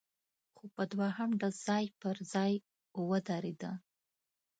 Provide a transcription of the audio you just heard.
خو په دوهم ډز ځای پر ځای ودرېده،